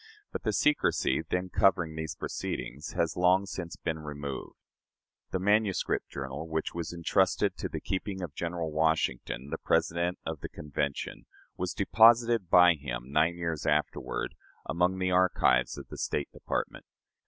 But the secrecy then covering those proceedings has long since been removed. The manuscript journal, which was intrusted to the keeping of General Washington, President of the Convention, was deposited by him, nine years afterward, among the archives of the State Department.